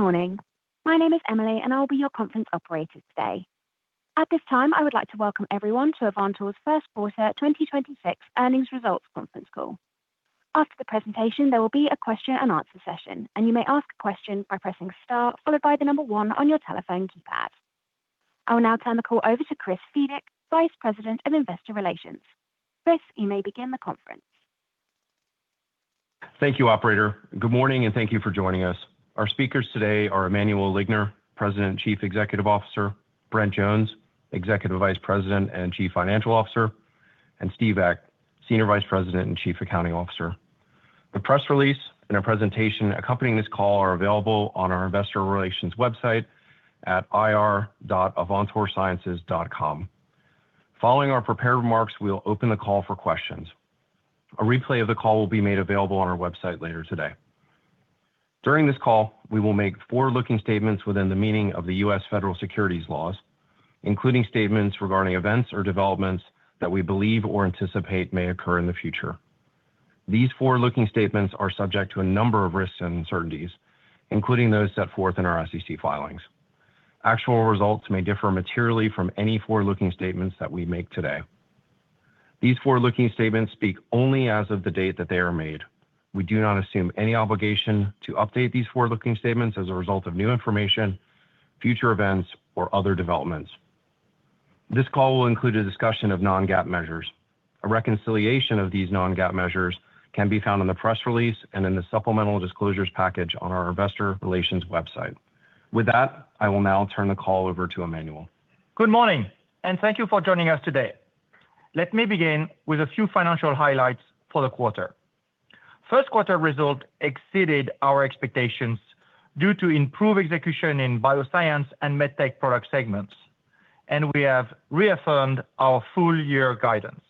Good morning. My name is Emily, and I'll be your conference operator today. At this time, I would like to welcome everyone to Avantor's first quarter 2026 earnings results conference call. After the presentation, there will be a question and answer session, and you may ask a question by pressing star, followed by number one on your telephone keypad. I will now turn the call over to Chris Fidyk, Vice President of Investor Relations. Chris, you may begin the conference. Thank you, operator. Good morning, and thank you for joining us. Our speakers today are Emmanuel Ligner, President Chief Executive Officer, Brent Jones, Executive Vice President and Chief Financial Officer, and Steve Eck, Senior Vice President and Chief Accounting Officer. The press release and our presentation accompanying this call are available on our investor relations website at ir.avantorsciences.com. Following our prepared remarks, we will open the call for questions. A replay of the call will be made available on our website later today. During this call, we will make forward-looking statements within the meaning of the U.S. Federal securities laws, including statements regarding events or developments that we believe or anticipate may occur in the future. These forward-looking statements are subject to a number of risks and uncertainties, including those set forth in our SEC filings. Actual results may differ materially from any forward-looking statements that we make today. These forward-looking statements speak only as of the date that they are made. We do not assume any obligation to update these forward-looking statements as a result of new information, future events or other developments. This call will include a discussion of non-GAAP measures. A reconciliation of these non-GAAP measures can be found in the press release and in the supplemental disclosures package on our investor relations website. With that, I will now turn the call over to Emmanuel. Good morning, and thank you for joining us today. Let me begin with a few financial highlights for the quarter. First quarter results exceeded our expectations due to improved execution in Bioscience & Medtech Products segments, and we have reaffirmed our full year guidance.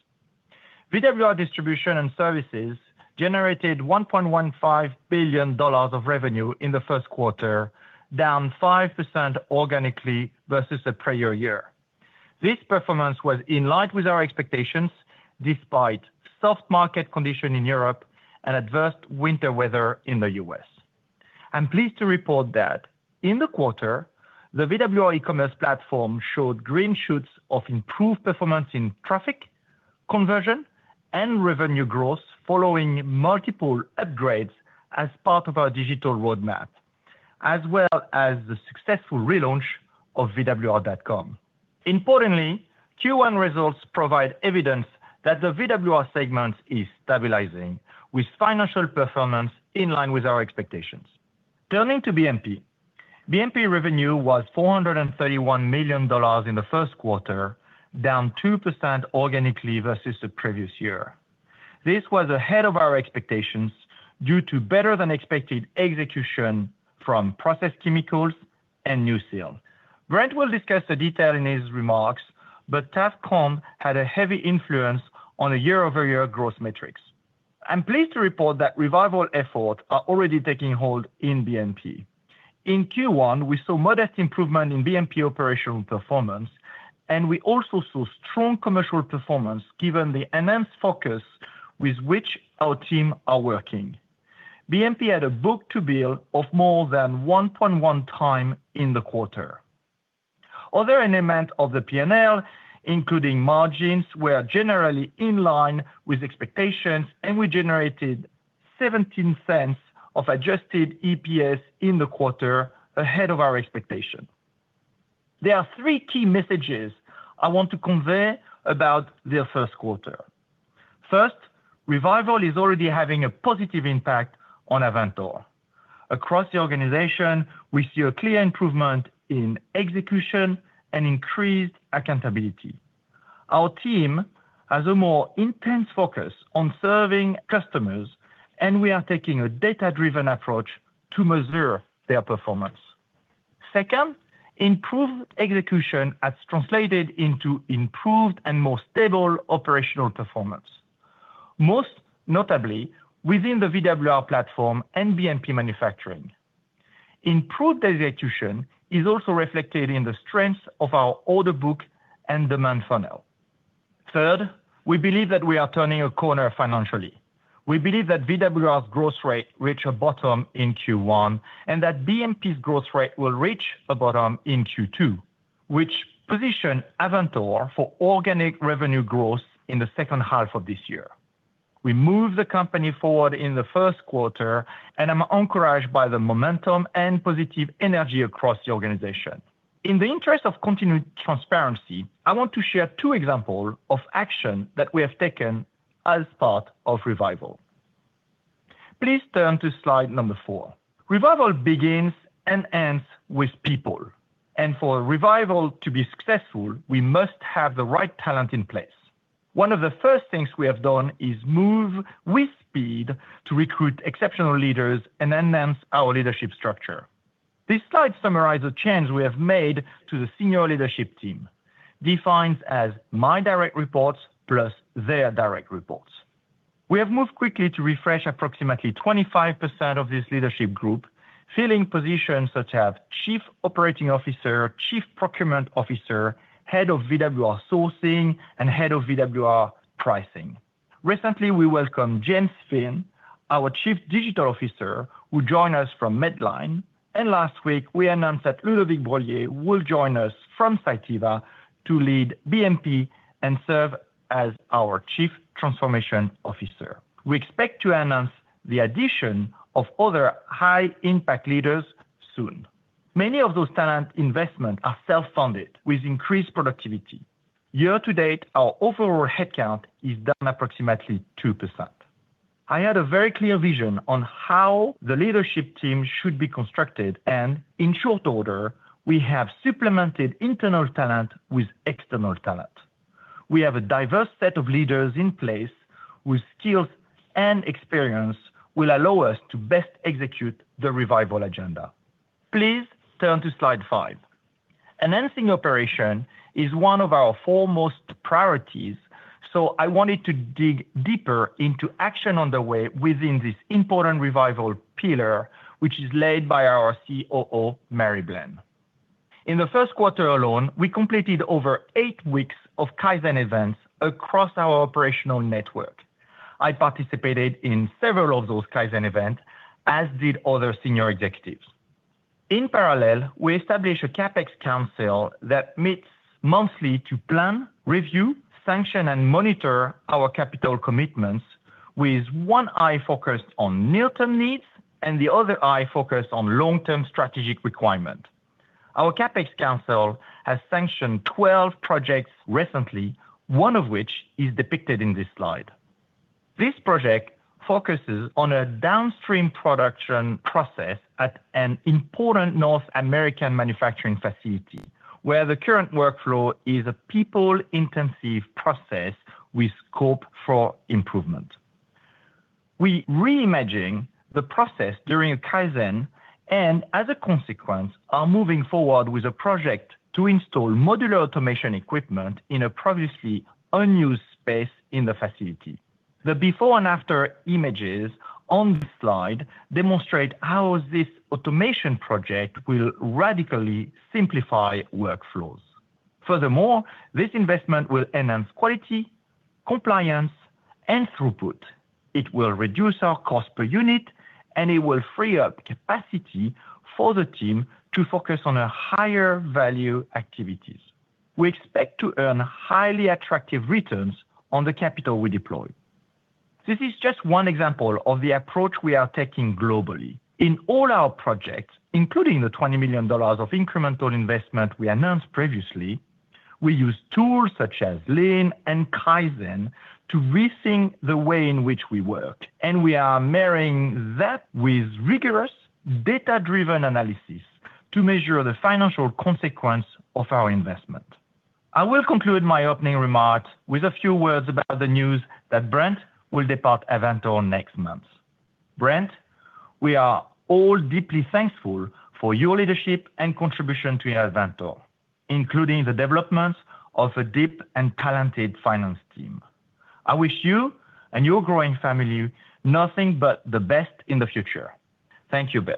VWR Distribution & Services generated $1.15 billion of revenue in the first quarter, down 5% organically versus the prior year. This performance was in line with our expectations, despite soft market conditions in Europe and adverse winter weather in the U.S. I'm pleased to report that in the quarter, the VWR e-commerce platform showed green shoots of improved performance in traffic conversion and revenue growth following multiple upgrades as part of our digital roadmap, as well as the successful relaunch of vwr.com. Importantly, Q1 results provide evidence that the VWR segment is stabilizing, with financial performance in line with our expectations. Turning to BMP. BMP revenue was $431 million in the first quarter, down 2% organically versus the previous year. This was ahead of our expectations due to better than expected execution from process chemicals and NuSil. Brent will discuss the detail in his remarks. TAVCOM had a heavy influence on a year-over-year growth metrics. I'm pleased to report that Revival efforts are already taking hold in BMP. In Q1, we saw modest improvement in BMP operational performance. We also saw strong commercial performance given the enhanced focus with which our team are working. BMP had a book to build of more than 1.1x in the quarter. Other elements of the P&L, including margins, were generally in line with expectations, and we generated $0.17 of adjusted EPS in the quarter ahead of our expectation. There are three key messages I want to convey about the first quarter. First, Revival is already having a positive impact on Avantor. Across the organization, we see a clear improvement in execution and increased accountability. Our team has a more intense focus on serving customers, and we are taking a data-driven approach to measure their performance. Second, improved execution has translated into improved and more stable operational performance, most notably within the VWR platform and BMP manufacturing. Improved execution is also reflected in the strength of our order book and demand funnel. Third, we believe that we are turning a corner financially. We believe that VWR's growth rate reach a bottom in Q1, and that BMP's growth rate will reach a bottom in Q2, which position Avantor for organic revenue growth in the second half of this year. We move the company forward in the first quarter, and I'm encouraged by the momentum and positive energy across the organization. In the interest of continued transparency, I want to share two example of action that we have taken as part of Revival. Please turn to slide number four. Revival begins and ends with people, and for Revival to be successful, we must have the right talent in place. One of the first things we have done is move with speed to recruit exceptional leaders and enhance our leadership structure. This slide summarizes the changes we have made to the senior leadership team, defined as my direct reports plus their direct reports. We have moved quickly to refresh approximately 25% of this leadership group, filling positions such as Chief Operating Officer, Chief Procurement Officer, Head of VWR Sourcing, and Head of VWR Pricing. Recently, we welcomed James Finn, our Chief Digital Officer, who joined us from Medline, and last week we announced that Ludovic Brellier will join us from Cytiva to lead BMP and serve as our Chief Transformation Officer. We expect to announce the addition of other high impact leaders soon. Many of those talent investments are self-funded with increased productivity. Year to date, our overall headcount is down approximately 2%. I had a very clear vision on how the leadership team should be constructed, and in short order, we have supplemented internal talent with external talent. We have a diverse set of leaders in place whose skills and experience will allow us to best execute the Revival agenda. Please turn to slide five. Enhancing operation is one of our foremost priorities, so I wanted to dig deeper into action on the way within this important Revival pillar, which is led by our COO, Mary Glenn. In the first quarter alone, we completed over eight weeks of Kaizen events across our operational network. I participated in several of those Kaizen event, as did other senior executives. In parallel, we established a CapEx council that meets monthly to plan, review, sanction, and monitor our capital commitments with one eye focused on near-term needs and the other eye focused on long-term strategic requirement. Our CapEx council has sanctioned 12 projects recently, one of which is depicted in this slide. This project focuses on a downstream production process at an important North American manufacturing facility, where the current workflow is a people-intensive process with scope for improvement. We reimagine the process during a Kaizen, and as a consequence, are moving forward with a project to install modular automation equipment in a previously unused space in the facility. The before and after images on this slide demonstrate how this automation project will radically simplify workflows. Furthermore, this investment will enhance quality, compliance, and throughput. It will reduce our cost per unit, and it will free up capacity for the team to focus on a higher value activities. We expect to earn highly attractive returns on the capital we deploy. This is just one example of the approach we are taking globally. In all our projects, including the $20 million of incremental investment we announced previously, we use tools such as Lean and Kaizen to rethink the way in which we work, and we are marrying that with rigorous data-driven analysis to measure the financial consequence of our investment. I will conclude my opening remarks with a few words about the news that Brent will depart Avantor next month. Brent, we are all deeply thankful for your leadership and contribution to Avantor, including the development of a deep and talented finance team. I wish you and your growing family nothing but the best in the future. Thank you, Ben.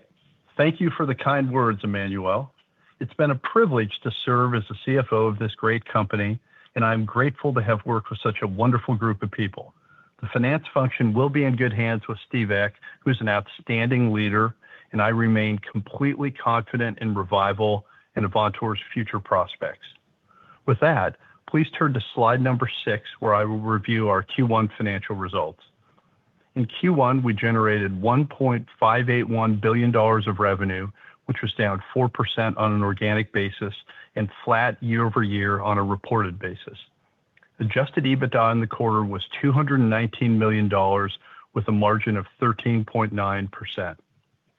Thank you for the kind words, Emmanuel. It's been a privilege to serve as the CFO of this great company, and I'm grateful to have worked with such a wonderful group of people. The finance function will be in good hands with Steve Eck, who's an outstanding leader, and I remain completely confident in Revival and Avantor's future prospects. With that, please turn to slide number six, where I will review our Q1 financial results. In Q1, we generated $1.581 billion of revenue, which was down 4% on an organic basis and flat year-over-year on a reported basis. Adjusted EBITDA in the quarter was $219 million with a margin of 13.9%.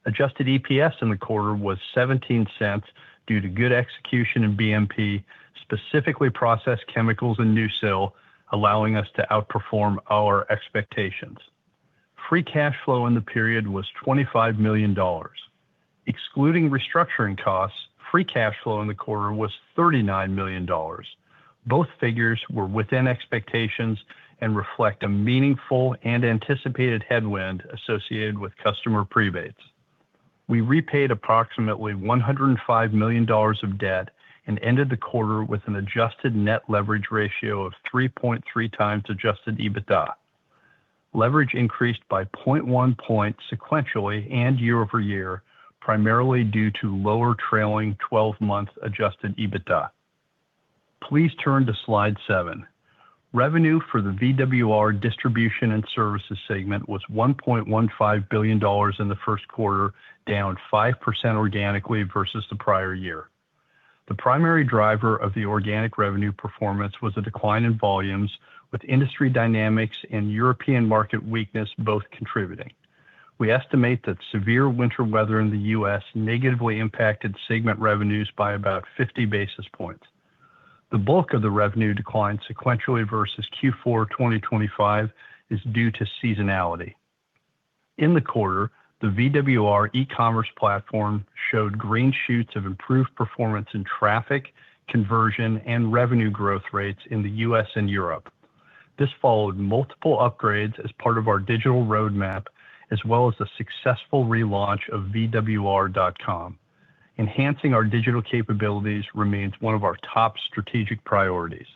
Adjusted EPS in the quarter was $0.17 due to good execution in BMP, specifically process chemicals in NuSil, allowing us to outperform our expectations. Free cash flow in the period was $25 million. Excluding restructuring costs, free cash flow in the quarter was $39 million. Both figures were within expectations and reflect a meaningful and anticipated headwind associated with customer prebates. We repaid approximately $105 million of debt and ended the quarter with an adjusted net leverage ratio of 3.3x adjusted EBITDA. Leverage increased by 0.1 point sequentially and year-over-year, primarily due to lower trailing twelve-month adjusted EBITDA. Please turn to slide seven. Revenue for the VWR Distribution and Services segment was $1.15 billion in the first quarter, down 5% organically versus the prior year. The primary driver of the organic revenue performance was a decline in volumes, with industry dynamics and European market weakness both contributing. We estimate that severe winter weather in the U.S. negatively impacted segment revenues by about 50 basis points. The bulk of the revenue declined sequentially versus Q4 2025 is due to seasonality. In the quarter, the VWR e-commerce platform showed green shoots of improved performance in traffic, conversion, and revenue growth rates in the U.S. and Europe. This followed multiple upgrades as part of our digital roadmap, as well as the successful relaunch of vwr.com. Enhancing our digital capabilities remains one of our top strategic priorities.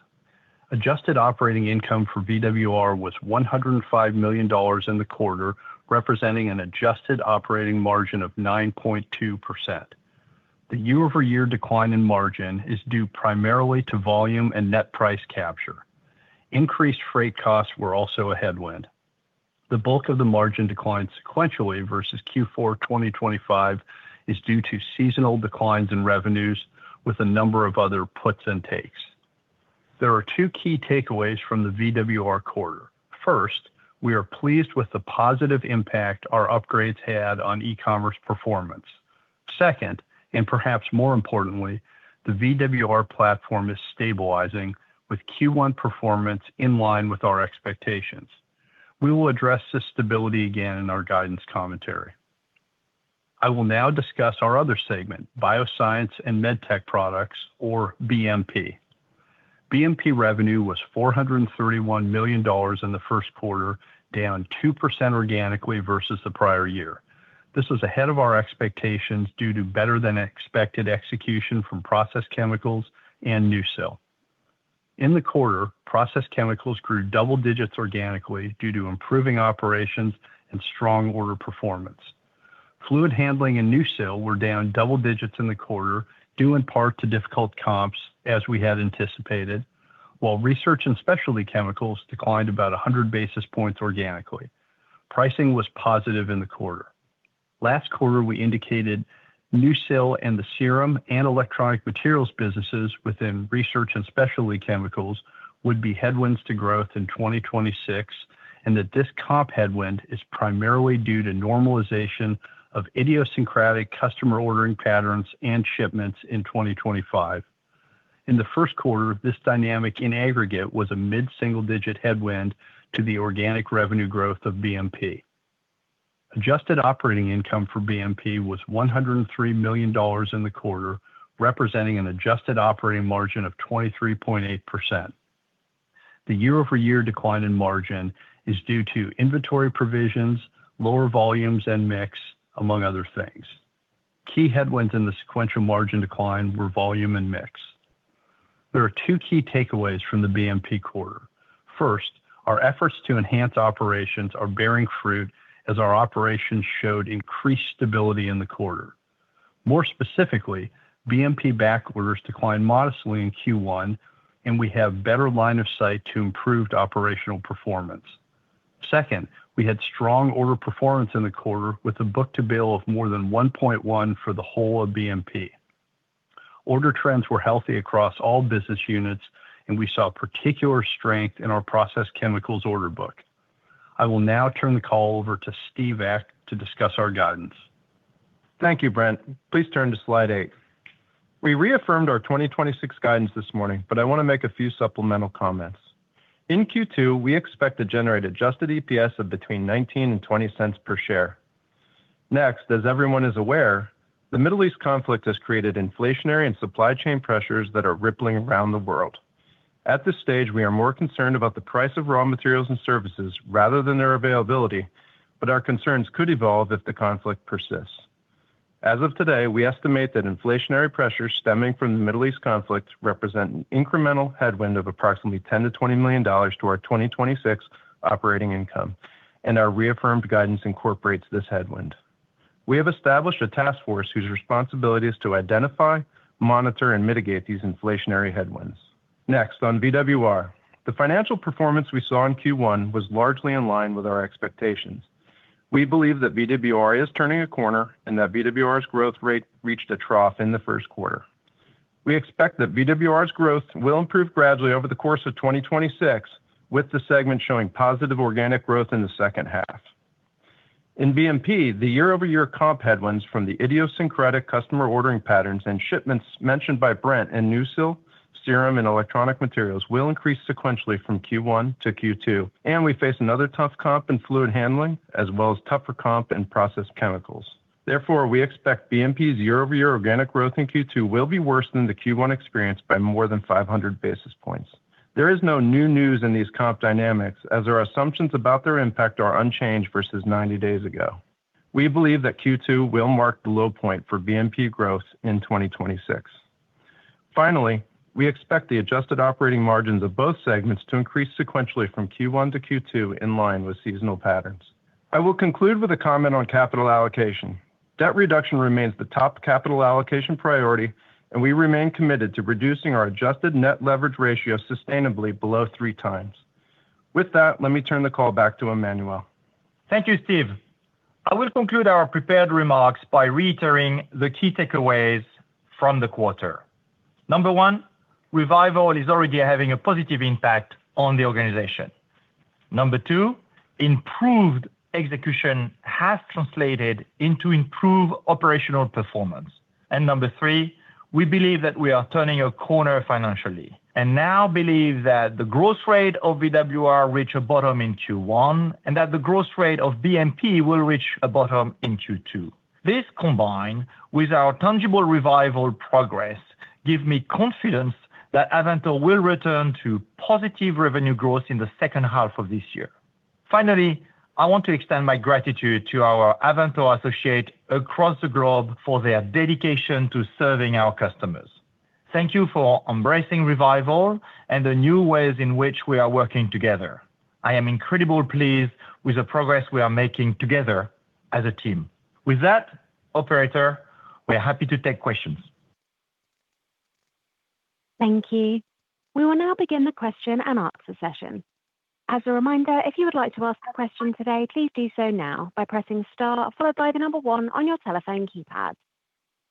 Adjusted operating income for VWR was $105 million in the quarter, representing an adjusted operating margin of 9.2%. The year-over-year decline in margin is due primarily to volume and net price capture. Increased freight costs were also a headwind. The bulk of the margin declined sequentially versus Q4 2025 is due to seasonal declines in revenues with a number of other puts and takes. There are two key takeaways from the VWR quarter. First, we are pleased with the positive impact our upgrades had on e-commerce performance. Second, and perhaps more importantly, the VWR platform is stabilizing with Q1 performance in line with our expectations. We will address this stability again in our guidance commentary. I will now discuss our other segment, Bioscience & Medtech Products, or BMP. BMP revenue was $431 million in the first quarter, down 2% organically versus the prior year. This was ahead of our expectations due to better than expected execution from process chemicals and NuSil. In the quarter, process chemicals grew double digits organically due to improving operations and strong order performance. fluid handling and NuSil were down double digits in the quarter, due in part to difficult comps as we had anticipated, while research and specialty chemicals declined about 100 basis points organically. Pricing was positive in the quarter. Last quarter, we indicated NuSil and the serum and electronic materials businesses within research and specialty chemicals would be headwinds to growth in 2026. That this comp headwind is primarily due to normalization of idiosyncratic customer ordering patterns and shipments in 2025. In the first quarter, this dynamic in aggregate was a mid-single-digit headwind to the organic revenue growth of BMP. Adjusted operating income for BMP was $103 million in the quarter, representing an adjusted operating margin of 23.8%. The year-over-year decline in margin is due to inventory provisions, lower volumes and mix, among other things. Key headwinds in the sequential margin decline were volume and mix. There are two key takeaways from the BMP quarter. First, our efforts to enhance operations are bearing fruit as our operations showed increased stability in the quarter. More specifically, BMP back orders declined modestly in Q1, and we have better line of sight to improved operational performance. Second, we had strong order performance in the quarter with a book to bill of more than 1.1 for the whole of BMP. Order trends were healthy across all business units, and we saw particular strength in our process chemicals order book. I will now turn the call over to Steve Eck to discuss our guidance. Thank you, Brent. Please turn to slide eight. We reaffirmed our 2026 guidance this morning, I wanna make a few supplemental comments. In Q2, we expect to generate adjusted EPS of between $0.19 and $0.20 per share. Next, as everyone is aware, the Middle East conflict has created inflationary and supply chain pressures that are rippling around the world. At this stage, we are more concerned about the price of raw materials and services rather than their availability, our concerns could evolve if the conflict persists. As of today, we estimate that inflationary pressures stemming from the Middle East conflict represent an incremental headwind of approximately $10 million-$20 million to our 2026 operating income, our reaffirmed guidance incorporates this headwind. We have established a task force whose responsibility is to identify, monitor, and mitigate these inflationary headwinds. Next, on VWR. The financial performance we saw in Q1 was largely in line with our expectations. We believe that VWR is turning a corner and that VWR's growth rate reached a trough in the first quarter. We expect that VWR's growth will improve gradually over the course of 2026, with the segment showing positive organic growth in the second half. In BMP, the year-over-year comp headwinds from the idiosyncratic customer ordering patterns and shipments mentioned by Brent and NuSil, Serum, and electronic materials will increase sequentially from Q1 to Q2, and we face another tough comp in fluid handling as well as tougher comp in process chemicals. We expect BMP's year-over-year organic growth in Q2 will be worse than the Q1 experience by more than 500 basis points. There is no new news in these comp dynamics as our assumptions about their impact are unchanged versus 90 days ago. We believe that Q2 will mark the low point for BMP growth in 2026. Finally, we expect the adjusted operating margins of both segments to increase sequentially from Q1 to Q2 in line with seasonal patterns. I will conclude with a comment on capital allocation. Debt reduction remains the top capital allocation priority, and we remain committed to reducing our adjusted net leverage ratio sustainably below three times. With that, let me turn the call back to Emmanuel. Thank you, Steve. I will conclude our prepared remarks by reiterating the key takeaways from the quarter. Number one, Revival is already having a positive impact on the organization. Number two, improved execution has translated into improved operational performance. Number three, we believe that we are turning a corner financially, and now believe that the growth rate of VWR reached a bottom in Q1, and that the growth rate of BMP will reach a bottom in Q2. This, combined with our tangible Revival progress, give me confidence that Avantor will return to positive revenue growth in the second half of this year. Finally, I want to extend my gratitude to our Avantor associate across the globe for their dedication to serving our customers. Thank you for embracing Revival and the new ways in which we are working together. I am incredibly pleased with the progress we are making together as a team. With that, operator, we are happy to take questions. Thank you. We will now begin the question and answer session. As a reminder, if you would like to ask a question today, please do so now by pressing star followed by one on your telephone keypad.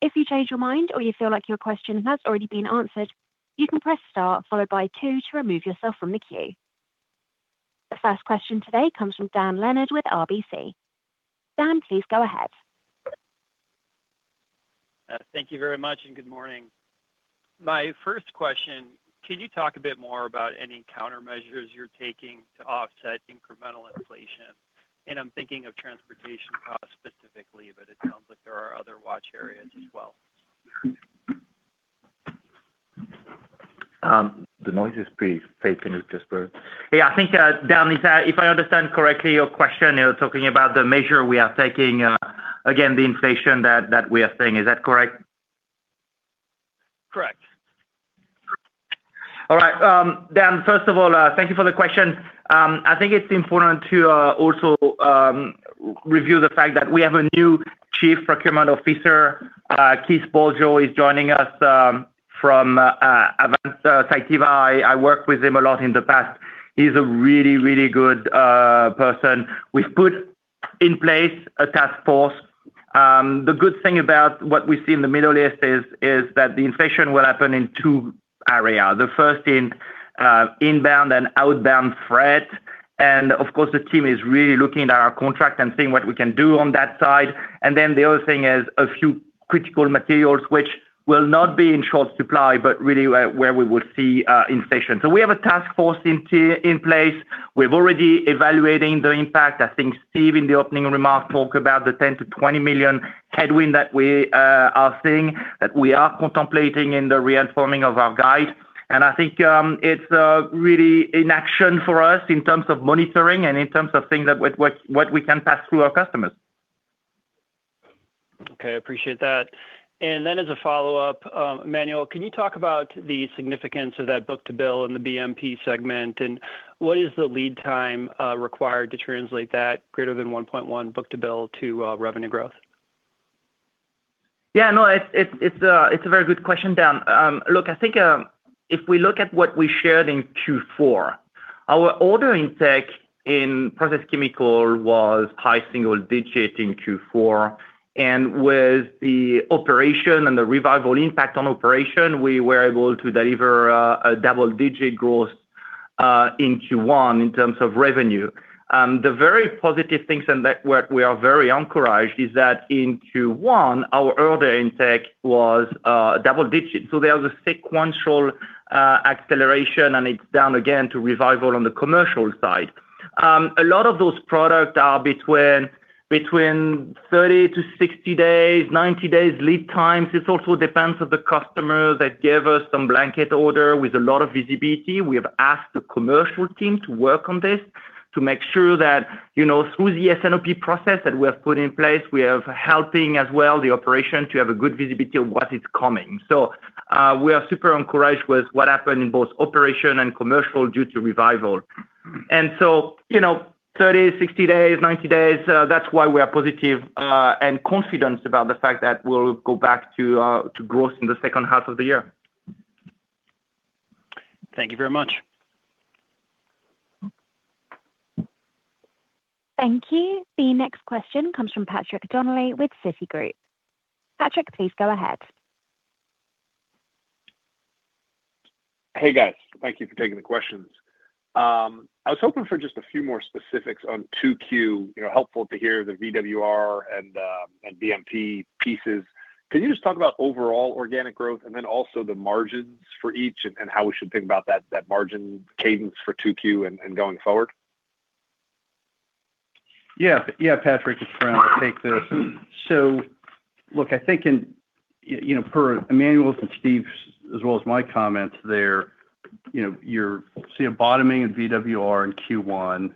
If you change your mind or you feel like your question has already been answered, you can press star followed by two to remove yourself from the queue. The first question today comes from Dan Leonard with RBC. Dan, please go ahead. Thank you very much, and good morning. My first question, can you talk a bit more about any countermeasures you're taking to offset incremental inflation? I'm thinking of transportation costs specifically, but it sounds like there are other watch areas as well. Um. The noise is pretty faint, can you? Yeah, I think, Dan, if I understand correctly, your question, you're talking about the measure we are taking, again, the inflation that we are seeing. Is that correct? Correct. Dan, first of all, thank you for the question. I think it's important to also review the fact that we have a new Chief Procurement Officer. Keith Bolger is joining us from Avantor Cytiva. I worked with him a lot in the past. He's a really good person. We've put in place a task force. The good thing about what we see in the Middle East is that the inflation will happen in two areas. The first in inbound and outbound freight. Of course, the team is really looking at our contract and seeing what we can do on that side. The other thing is a few critical materials, which will not be in short supply, but really where we will see inflation. We have a task force in place. We're already evaluating the impact. I think Steve in the opening remarks talked about the $10 million-$20 million headwind that we are seeing, that we are contemplating in the re-informing of our guide. I think it's really in action for us in terms of monitoring and in terms of things what we can pass through our customers. Okay, appreciate that. Then as a follow-up, Emmanuel, can you talk about the significance of that book-to-bill in the BMP segment? What is the lead time required to translate that greater than 1.1 book-to-bill to revenue growth? Yeah, no, it's a very good question, Dan. Look, I think, if we look at what we shared in Q4, our order intake in process chemicals was high single digit in Q4. With the operation and the Revival impact on operation, we were able to deliver a double-digit growth in Q1 in terms of revenue. The very positive things what we are very encouraged is that in Q1, our order intake was double-digit. There was a sequential acceleration, and it's down again to Revival on the commercial side. A lot of those products are between 30 to 60 days, 90 days lead times. This also depends on the customer that gave us some blanket order with a lot of visibility. We have asked the commercial team to work on this to make sure that, you know, through the S&OP process that we have put in place, we are helping as well the operation to have a good visibility of what is coming. We are super encouraged with what happened in both operation and commercial due to Revival. You know, 30, 60 days, 90 days, that's why we are positive and confident about the fact that we'll go back to growth in the second half of the year. Thank you very much. Thank you. The next question comes from Patrick Donnelly with Citigroup. Patrick, please go ahead. Hey, guys. Thank you for taking the questions. I was hoping for just a few more specifics on 2Q. You know, helpful to hear the VWR and BMP pieces. Can you just talk about overall organic growth and then also the margins for each and how we should think about that margin cadence for 2Q and going forward? Yeah, yeah, Patrick, it's Brent. I'll take this. Look, I think in, you know, per Emmanuel's and Steve's as well as my comments there, you know, you're see a bottoming in VWR in Q1.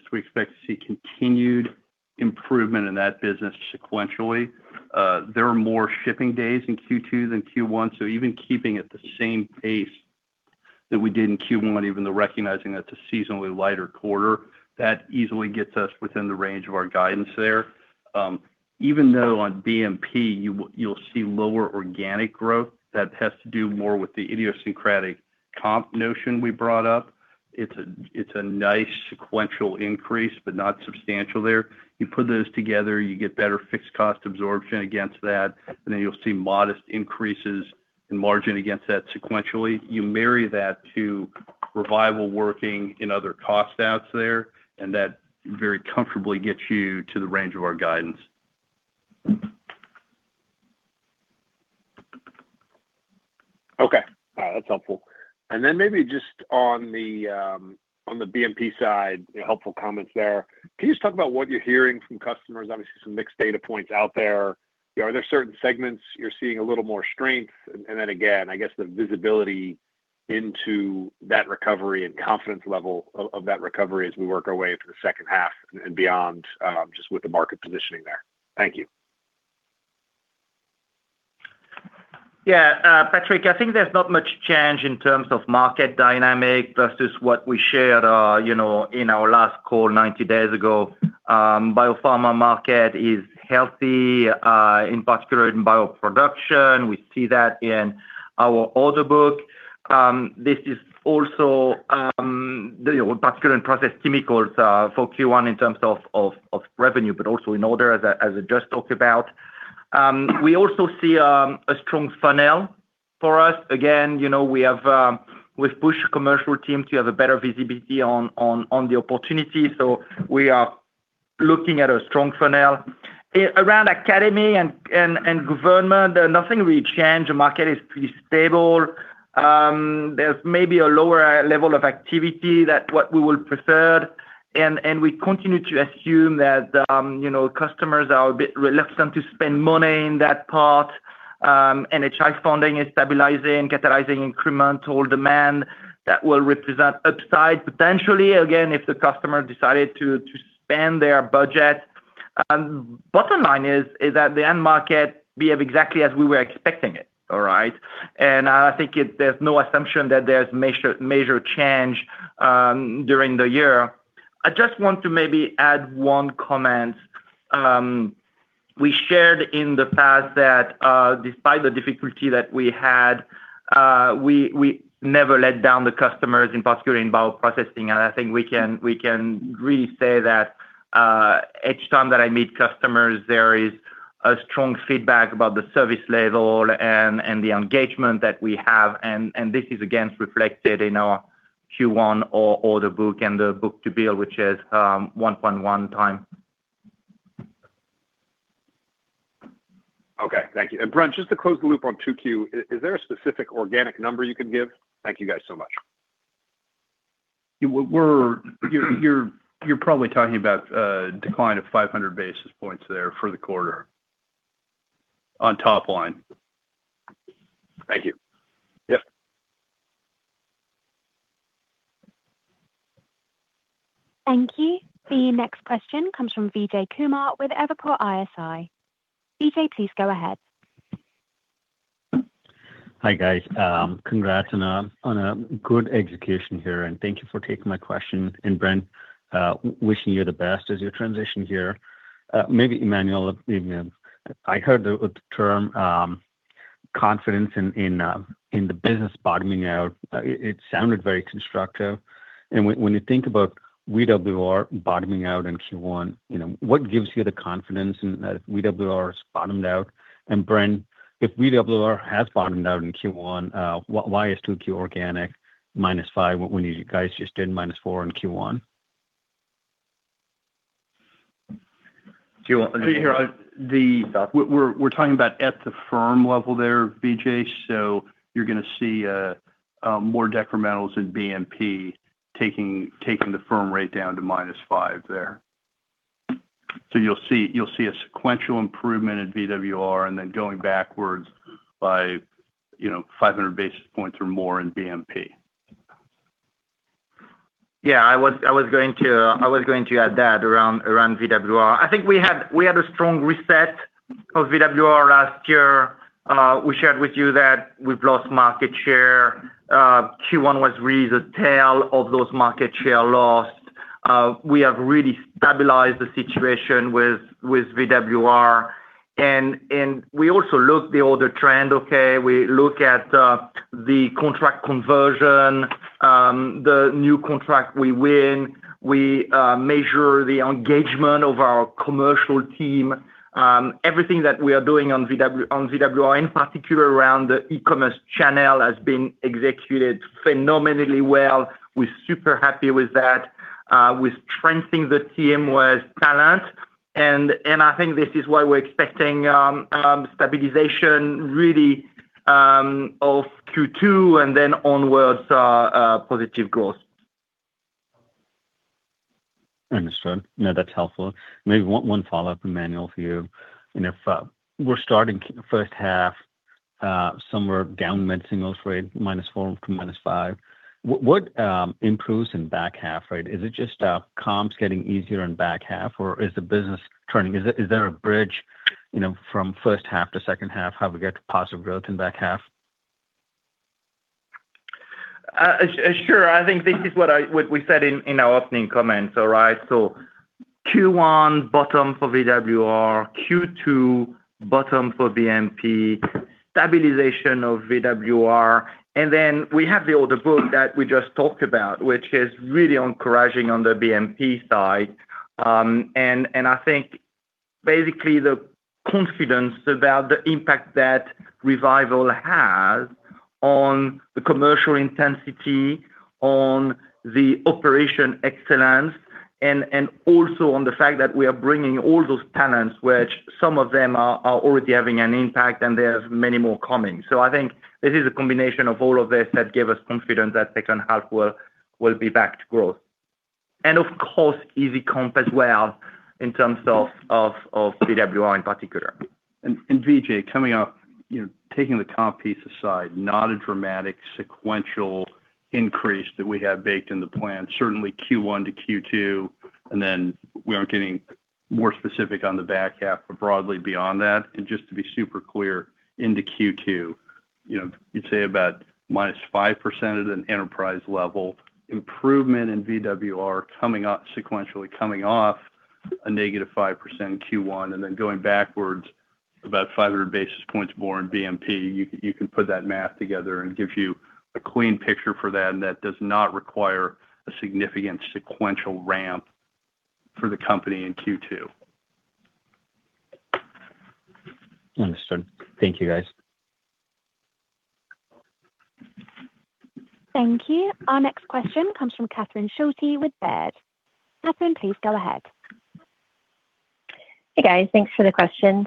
There are more shipping days in Q2 than Q1, so even keeping at the same pace that we did in Q1, even the recognizing that it's a seasonally lighter quarter, that easily gets us within the range of our guidance there. Even though on BMP, you'll see lower organic growth, that has to do more with the idiosyncratic comp notion we brought up. It's a nice sequential increase, but not substantial there. You put those together, you get better fixed cost absorption against that, and then you'll see modest increases in margin against that sequentially. You marry that to Revival working in other cost outs there, and that very comfortably gets you to the range of our guidance. Okay. That's helpful. Then maybe just on the BMP side, helpful comments there. Can you just talk about what you're hearing from customers? Obviously, some mixed data points out there. You know, are there certain segments you're seeing a little more strength? Then again, I guess the visibility into that recovery and confidence level of that recovery as we work our way through the second half and beyond, just with the market positioning there. Thank you. Patrick, I think there's not much change in terms of market dynamic. That's just what we shared, you know, in our last call 90 days ago. Biopharma market is healthy, in particular in bioproduction. We see that in our order book. This is also the particular process chemicals for Q1 in terms of revenue, but also in order as I just talked about. We also see a strong funnel for us. Again, you know, we have, we've pushed commercial teams to have a better visibility on the opportunity, so we are looking at a strong funnel. Around academic and government, nothing really change. The market is pretty stable. There's maybe a lower level of activity that what we would preferred. We continue to assume that, you know, customers are a bit reluctant to spend money in that part. NIH funding is stabilizing, catalyzing incremental demand that will represent upside potentially, again, if the customer decided to spend their budget. Bottom line is that the end market, we have exactly as we were expecting it. All right? I think there's no assumption that there's major change during the year. I just want to maybe add one comment. We shared in the past that despite the difficulty that we had, we never let down the customers, in particular in bioprocessing. I think we can really say that each time that I meet customers, there is a strong feedback about the service level and the engagement that we have. This is again reflected in our Q1 order book and the book to bill, which is 1.1x. Okay. Thank you. Brent, just to close the loop on 2Q, is there a specific organic number you can give? Thank you guys so much. You're probably talking about a decline of 500 basis points there for the quarter on top line. Thank you. Yep. Thank you. The next question comes from Vijay Kumar with Evercore ISI. Vijay, please go ahead. Hi, guys. Congrats on a, on a good execution here, and thank you for taking my question. Brent, wishing you the best as you transition here. Maybe Emmanuel, maybe I heard the term, confidence in the business bottoming out. It sounded very constructive. When, when you think about VWR bottoming out in Q1, you know, what gives you the confidence in that VWR's bottomed out? Brent, if VWR has bottomed out in Q1, why is 2Q organic -5 when you guys just did -4 in Q1? Do you want-? Here, Go We're talking about at the firm level there, Vijay. You're gonna see more decrementals in BMP taking the firm rate down to -5 there. You'll see a sequential improvement in VWR, and then going backwards by, you know, 500 basis points or more in BMP. Yeah, I was going to add that around VWR. I think we had a strong reset of VWR last year. We shared with you that we've lost market share. Q1 was really the tail of those market share lost. We have really stabilized the situation with VWR. We also look the order trend, okay? We look at the contract conversion, the new contract we win. We measure the engagement of our commercial team. Everything that we are doing on VWR, in particular around the e-commerce channel, has been executed phenomenally well. We're super happy with that. We're strengthening the team with talent. I think this is why we're expecting stabilization really of Q2 and then onwards positive growth. Understood. No, that's helpful. Maybe one follow-up, Emmanuel, for you. You know, if we're starting first half somewhere down mid-single rate, -4% to -5%, what improves in back half, right? Is it just comps getting easier in back half, or is the business turning? Is there a bridge, you know, from first half to second half, how we get to positive growth in back half? Sure. I think this is what we said in our opening comments, all right? Q1, bottom for VWR. Q2, bottom for BMP. Stabilization of VWR. Then we have the order book that we just talked about, which is really encouraging on the BMP side. I think basically the confidence about the impact that Revival has on the commercial intensity, on the operation excellence, and also on the fact that we are bringing all those talents, which some of them are already having an impact, and there's many more coming. I think this is a combination of all of this that give us confidence that second half will be back to growth. Of course, easy comp as well in terms of VWR in particular. VJ, coming off, you know, taking the comp piece aside, not a dramatic sequential increase that we have baked in the plan. Certainly Q1 to Q2, then we aren't getting more specific on the back half. Broadly beyond that, just to be super clear into Q2, you know, you'd say about -5% at an enterprise level, improvement in VWR coming up sequentially coming off a -5% in Q1, then going backwards about 500 basis points more in BMP. You can put that math together, it gives you a clean picture for that does not require a significant sequential ramp for the company in Q2. Understood. Thank you, guys. Thank you. Our next question comes from Catherine Schulte with Baird. Catherine, please go ahead. Hey, guys. Thanks for the questions.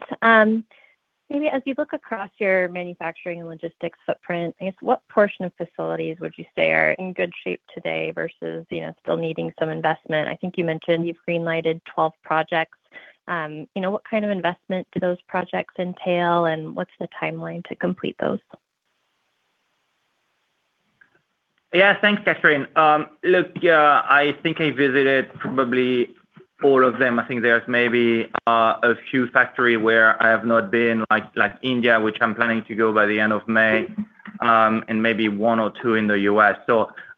Maybe as you look across your manufacturing and logistics footprint, I guess, what portion of facilities would you say are in good shape today versus, you know, still needing some investment? I think you mentioned you've green lighted 12 projects. You know, what kind of investment do those projects entail, and what's the timeline to complete those? Thanks, Catherine. Look, I think I visited probably all of them. I think there's maybe a few factory where I have not been, like India, which I'm planning to go by the end of May, and maybe one or two in the U.S.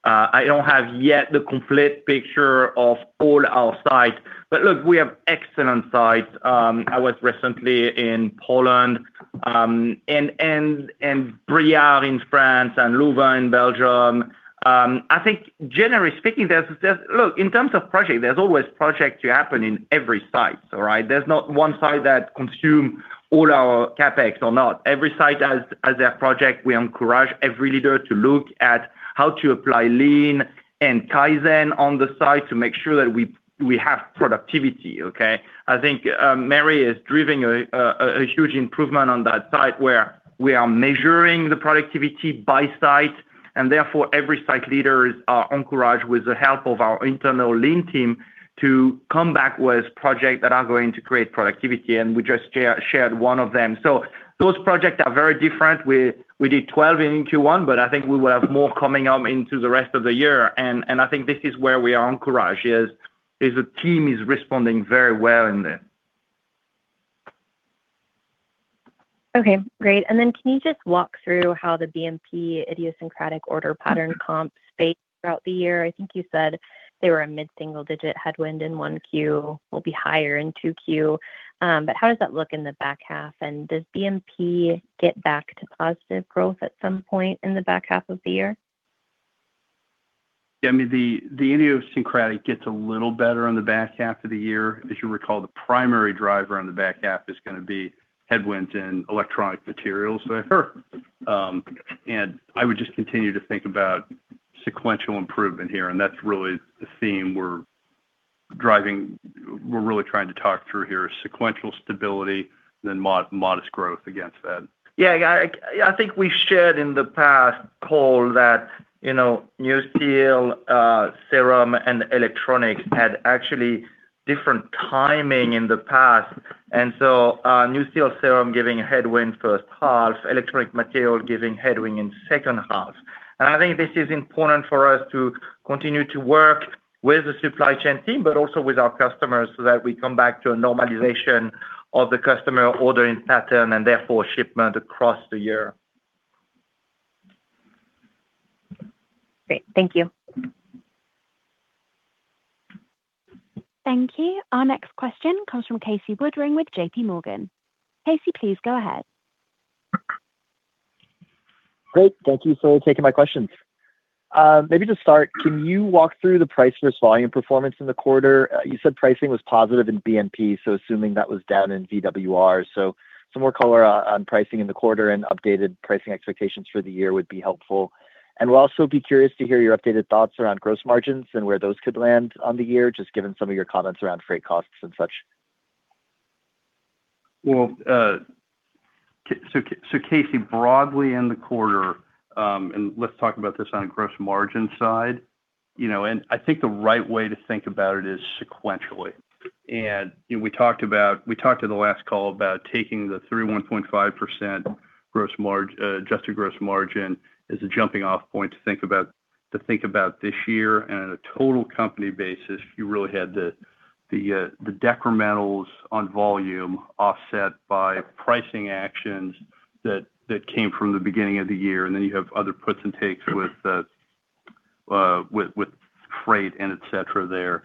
I don't have yet the complete picture of all our sites. Look, we have excellent sites. I was recently in Poland, and Briare in France and Leuven in Belgium. I think generally speaking there's. Look, in terms of project, there's always project to happen in every site, all right? There's not one site that consume all our CapEx or not. Every site has their project. We encourage every leader to look at how to apply Lean and Kaizen on the site to make sure that we have productivity, okay? I think Mary is driving a huge improvement on that site where we are measuring the productivity by site, and therefore every site leaders are encouraged with the help of our internal Lean team to come back with project that are going to create productivity, and we just shared one of them. Those projects are very different. We did 12 in Q1. I think we will have more coming up into the rest of the year, and I think this is where we are encouraged is the team is responding very well in there. Okay. Great. Can you just walk through how the BMP idiosyncratic order pattern comp space throughout the year? I think you said they were a mid-single-digit headwind in 1Q, will be higher in 2Q. How does that look in the back half? Does BMP get back to positive growth at some point in the back half of the year? Yeah, I mean, the idiosyncratic gets a little better on the back half of the year. As you recall, the primary driver on the back half is gonna be headwind and electronic materials there. I would just continue to think about sequential improvement here, and that's really the theme we're driving. We're really trying to talk through here sequential stability, then modest growth against that. Yeah. I think we've shared in the past, Paul, that, you know, NuSil, serum, and electronics had actually different timing in the past. NuSil, serum, giving headwind first half, electronic materials giving headwind in second half. I think this is important for us to continue to work with the supply chain team, but also with our customers so that we come back to a normalization of the customer ordering pattern and therefore shipment across the year. Great. Thank you. Thank you. Our next question comes from Casey Woodring with JPMorgan. Casey, please go ahead. Great. Thank you for taking my questions. Maybe to start, can you walk through the price versus volume performance in the quarter? You said pricing was positive in BMP, so assuming that was down in VWR. Some more color on pricing in the quarter and updated pricing expectations for the year would be helpful. We'll also be curious to hear your updated thoughts around gross margins and where those could land on the year, just given some of your comments around freight costs and such. Casey, broadly in the quarter, let's talk about this on a gross margin side, you know, I think the right way to think about it is sequentially. You know, we talked to the last call about taking the 3.5% adjusted gross margin as a jumping off point to think about this year. On a total company basis, you really had the decrementals on volume offset by pricing actions that came from the beginning of the year. You have other puts and takes with freight and et cetera there.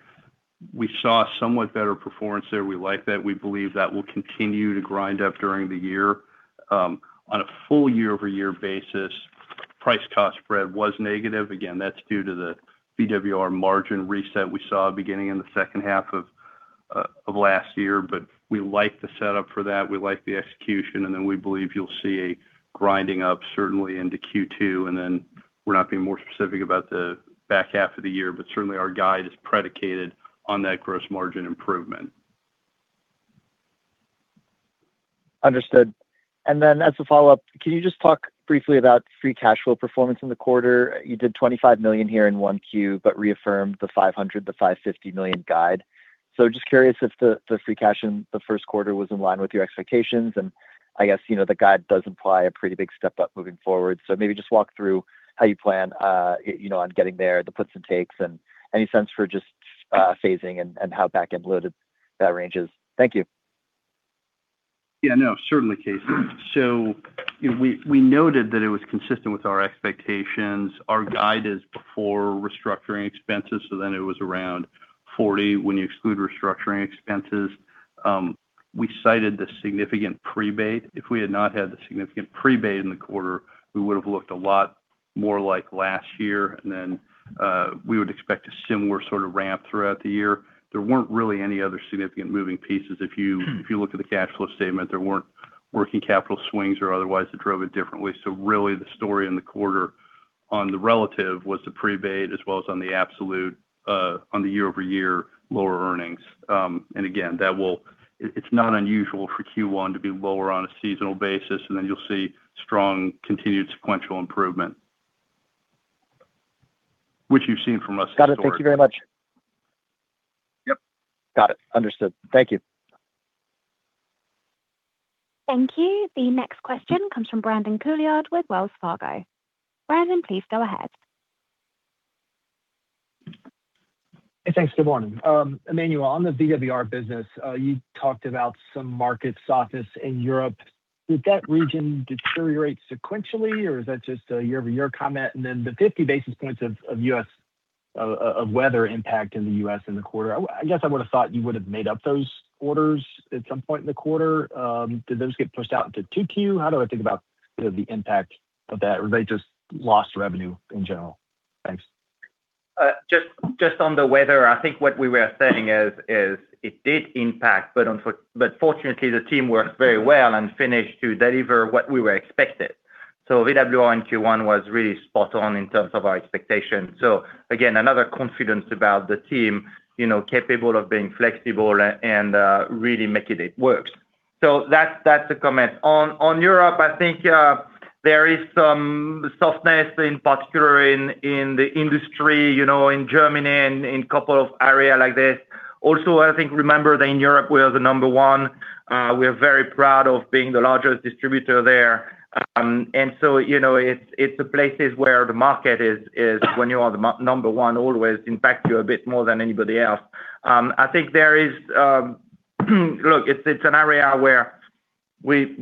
We saw somewhat better performance there. We like that. We believe that will continue to grind up during the year. On a full year-over-year basis, price cost spread was negative. Again, that's due to the VWR margin reset we saw beginning in the second half of last year. We like the setup for that. We like the execution, and then we believe you'll see a grinding up certainly into Q2. We're not being more specific about the back half of the year, but certainly our guide is predicated on that gross margin improvement. Understood. As a follow-up, can you just talk briefly about free cash flow performance in the quarter? You did $25 million here in Q1, but reaffirmed the $500 million, the $550 million guide. Just curious if the free cash in the first quarter was in line with your expectations. I guess, you know, the guide does imply a pretty big step up moving forward. Maybe just walk through how you plan, you know, on getting there, the puts and takes, and any sense for just phasing and how back-end loaded that range is. Thank you. Yeah, no, certainly, Casey. You know, we noted that it was consistent with our expectations. Our guide is before restructuring expenses, it was around $40 when you exclude restructuring expenses. We cited the significant pre-bate. If we had not had the significant pre-bate in the quarter, we would have looked a lot more like last year. We would expect a similar sort of ramp throughout the year. There weren't really any other significant moving pieces. If you look at the cash flow statement, there weren't working capital swings or otherwise that drove it differently. Really the story in the quarter on the relative was the pre-bate as well as on the absolute, on the year-over-year lower earnings. It's not unusual for Q1 to be lower on a seasonal basis, and then you'll see strong continued sequential improvement, which you've seen from us historically. Got it. Thank you very much. Yep. Got it. Understood. Thank you. Thank you. The next question comes from Brandon Couillard with Wells Fargo. Brandon, please go ahead. Hey, thanks. Good morning. Emmanuel, on the VWR business, you talked about some market softness in Europe. Did that region deteriorate sequentially, or is that just a year-over-year comment? The 50 basis points of weather impact in the U.S. in the quarter. I guess I would have thought you would have made up those orders at some point in the quarter. Did those get pushed out into 2Q? How do I think about the impact of that? Are they just lost revenue in general? Thanks. Just on the weather, I think what we were saying is, it did impact, but fortunately, the team worked very well and finished to deliver what we were expected. VWR in Q1 was really spot on in terms of our expectation. Again, another confidence about the team, you know, capable of being flexible and really making it works. That's the comment. On Europe, I think, there is some softness, in particular in the industry, you know, in Germany and in couple of area like this. Also, I think remember that in Europe, we are the number one. We are very proud of being the largest distributor there. You know, it's the places where the market is when you are the number one always impact you a bit more than anybody else. I think there is, look, it's an area where we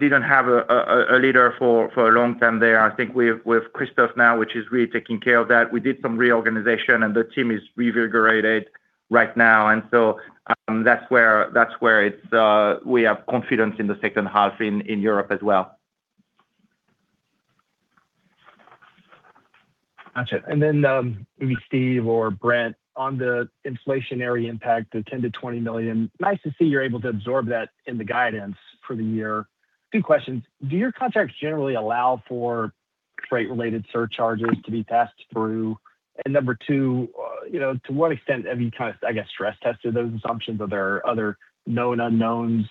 didn't have a leader for a long time there. I think we've Christophe now, which is really taking care of that. We did some reorganization, and the team is reinvigorated right now. That's where it's, we have confidence in the second half in Europe as well. Gotcha. Maybe Steve or Brent, on the inflationary impact of $10 million-$20 million, nice to see you're able to absorb that in the guidance for the year. Two questions. Do your contracts generally allow for freight-related surcharges to be passed through? Number two, you know, to what extent have you kind of, I guess, stress tested those assumptions? Are there other known unknowns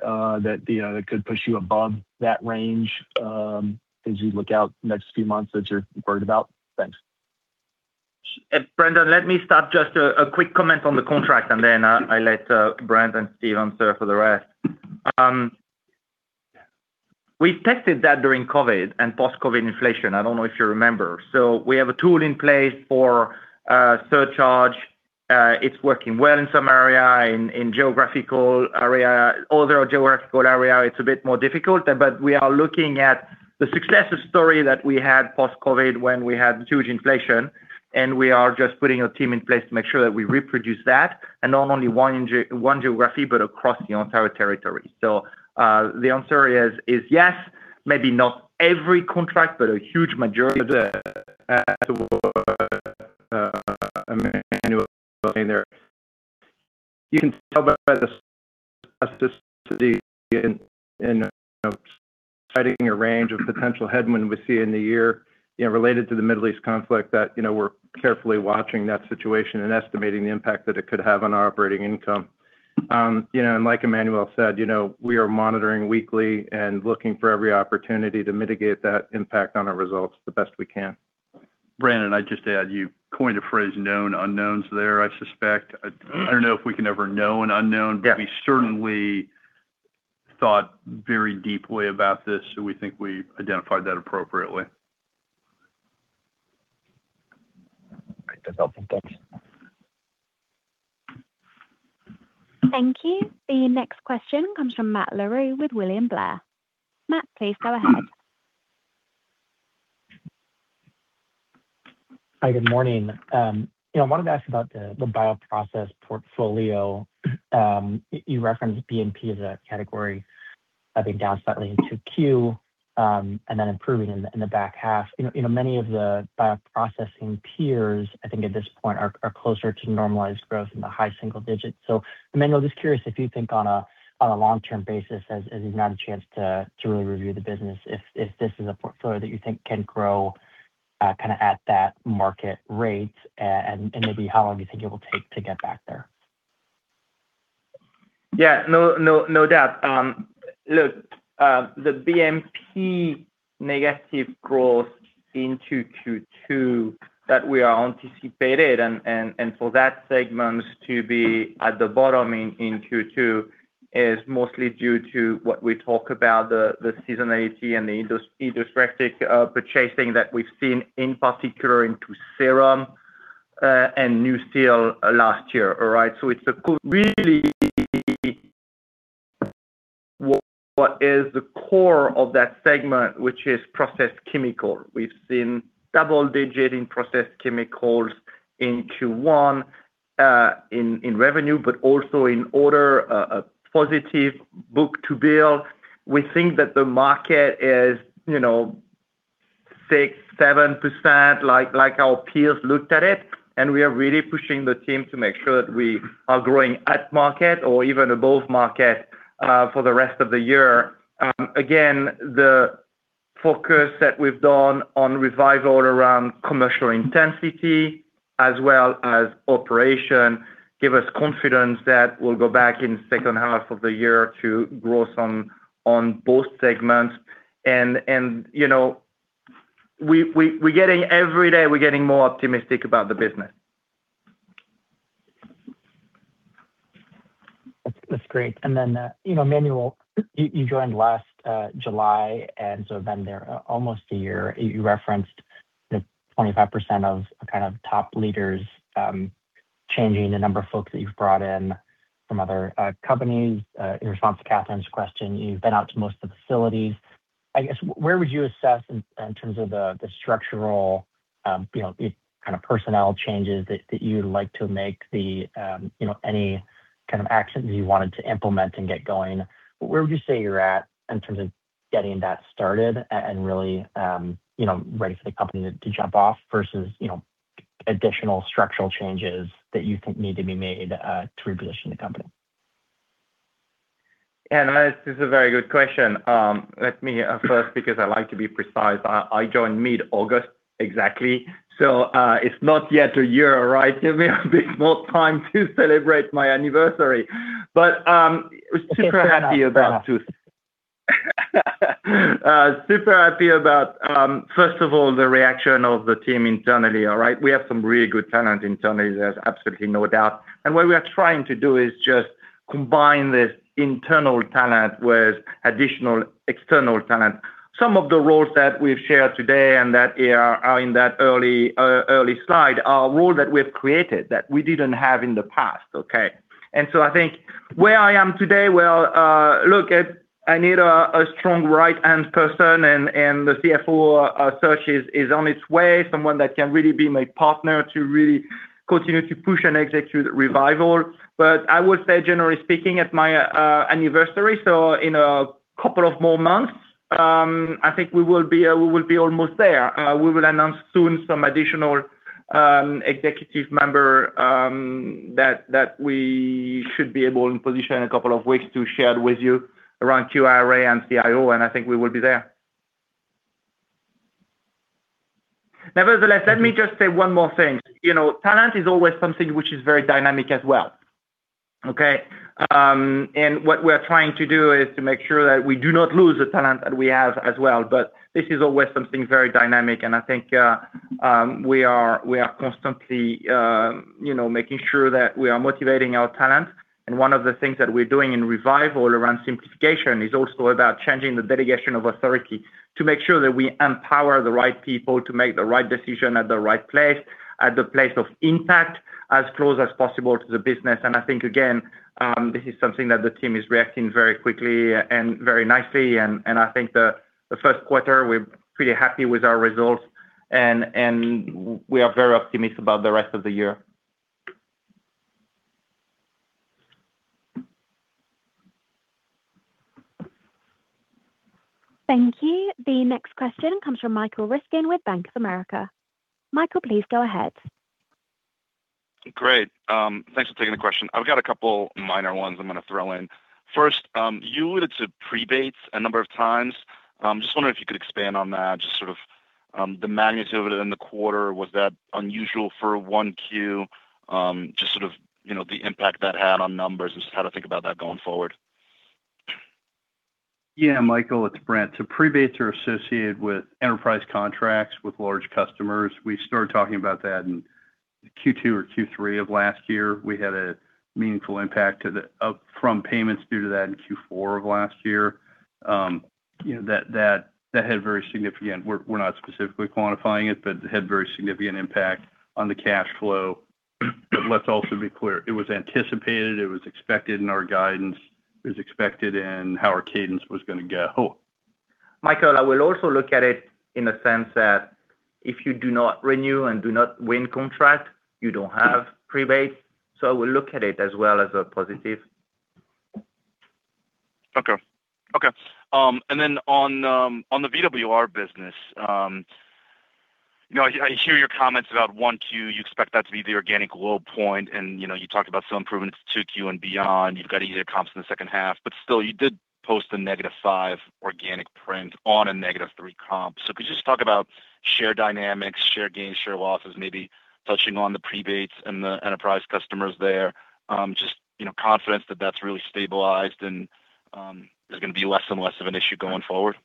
that, you know, that could push you above that range as you look out next few months that you're worried about? Thanks. Brandon, let me start just a quick comment on the contract, and then I let Brent and Steve answer for the rest. We tested that during COVID and post-COVID inflation. I don't know if you remember. We have a tool in place for surcharge. It's working well in some area, in geographical area. Other geographical area, it's a bit more difficult. We are looking at the success story that we had post-COVID when we had huge inflation, and we are just putting a team in place to make sure that we reproduce that in not only one geography, but across the entire territory. The answer is yes, maybe not every contract, but a huge majority of the Citing a range of potential headwind we see in the year, you know, related to the Middle East conflict that, you know, we're carefully watching that situation and estimating the impact that it could have on our operating income. Like Emmanuel said, you know, we are monitoring weekly and looking for every opportunity to mitigate that impact on our results the best we can. Brandon, I'd just add, you coined a phrase, known unknowns there, I suspect. I don't know if we can ever know an unknown. Yeah We certainly thought very deeply about this. We think we identified that appropriately. Great. That's helpful. Thanks. Thank you. The next question comes from Matt Larew with William Blair. Matt, please go ahead. Hi, good morning. You know, I wanted to ask about the bioprocess portfolio. You referenced BMP as a category, I think, down slightly in Q2, and then improving in the back half. You know, many of the bioprocessing peers, I think at this point are closer to normalized growth in the high single digits. Emmanuel, just curious if you think on a long-term basis, as you've had a chance to really review the business, if this is a portfolio that you think can grow, kind of at that market rate, and maybe how long you think it will take to get back there? No, no doubt. The BMP negative growth in Q2 that we are anticipated and for that segment to be at the bottom in Q2 is mostly due to what we talk about the seasonality and the industry restrictive purchasing that we've seen, in particular into serum and NuSil last year. All right. It's really what is the core of that segment, which is process chemicals. We've seen double-digit in process chemicals in Q1 in revenue, but also in order, a positive book to build. We think that the market is, you know, 6%-7%, like our peers looked at it, we are really pushing the team to make sure that we are growing at market or even above market for the rest of the year. Again, the focus that we've done on Revival all around commercial intensity as well as operation give us confidence that we'll go back in second half of the year to grow some on both segments. You know, every day, we're getting more optimistic about the business. That's great. You know, Emmanuel, you joined last July, and so been there almost one year. You referenced the 25% of kind of top leaders changing, the number of folks that you've brought in from other companies. In response to Catherine's question, you've been out to most of the facilities. I guess, where would you assess in terms of the structural, you know, the kind of personnel changes that you'd like to make, the, you know, any kind of actions you wanted to implement and get going, where would you say you're at in terms of getting that started and really, you know, ready for the company to jump off versus, you know, additional structural changes that you think need to be made to reposition the company? That is a very good question. Let me first, because I like to be precise, I joined mid-August exactly, so it's not yet a year, all right? Give me a bit more time to celebrate my anniversary. Okay, fair enough. Fair enough. Super happy about, first of all, the reaction of the team internally, all right? We have some really good talent internally. There's absolutely no doubt. What we are trying to do is just combine this internal talent with additional external talent. Some of the roles that we've shared today and that are in that early slide are role that we've created, that we didn't have in the past, okay? I think where I am today, look, at I need a strong right-hand person and the CFO search is on its way, someone that can really be my partner to really continue to push and execute Revival. I would say, generally speaking, at my anniversary, so in two more months, I think we will be almost there. We will announce soon some additional executive member that we should be able in position in a couple of weeks to share with you around QRA and CIO, and I think we will be there. Let me just say one more thing. You know, talent is always something which is very dynamic as well, okay? What we're trying to do is to make sure that we do not lose the talent that we have as well, but this is always something very dynamic and I think, we are constantly, you know, making sure that we are motivating our talent. One of the things that we're doing in Revival all around simplification is also about changing the delegation of authority to make sure that we empower the right people to make the right decision at the right place, at the place of impact, as close as possible to the business. I think, again, this is something that the team is reacting very quickly and very nicely. I think the first quarter, we're pretty happy with our results and we are very optimistic about the rest of the year. Thank you. The next question comes from Michael Ryskin with Bank of America. Michael, please go ahead. Great. Thanks for taking the question. I've got a couple minor ones I'm gonna throw in. First, you alluded to prebates a number of times. Just wondering if you could expand on that, just sort of, the magnitude of it in the quarter. Was that unusual for 1Q? Just sort of, you know, the impact that had on numbers and just how to think about that going forward. Yeah, Michael, it's Brent. Prebates are associated with enterprise contracts with large customers. We started talking about that in Q2 or Q3 of last year. We had a meaningful impact from payments due to that in Q4 of last year. You know, we're not specifically quantifying it, but it had very significant impact on the cash flow. Let's also be clear, it was anticipated, it was expected in our guidance. It was expected in how our cadence was gonna go. Michael, I will also look at it in the sense that if you do not renew and do not win contract, you don't have prebates. We look at it as well as a positive. Okay. Okay. On the VWR business, you know, I hear your comments about 1Q. You expect that to be the organic low point and, you know, you talked about some improvements 2Q and beyond. You've got easier comps in the second half. Still, you did post a -5% organic print on a -3% comp. Could you just talk about share dynamics, share gains, share losses, maybe touching on the prebates and the enterprise customers there. Just, you know, confidence that that's really stabilized and is gonna be less and less of an issue going forward.